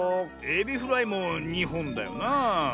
エビフライも２ほんだよなあ。